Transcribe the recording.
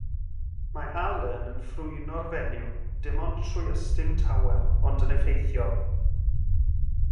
Mae Allan yn ffrwyno'r fenyw, dim ond trwy ystum tawel, ond yn effeithiol.